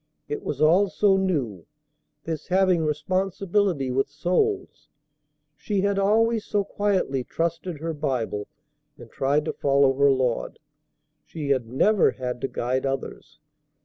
It was all so new, this having responsibility with souls. She had always so quietly trusted her Bible and tried to follow her Lord. She had never had to guide others.